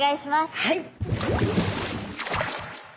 はい！